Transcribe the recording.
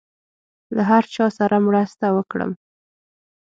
له هر چا سره مرسته وکړم.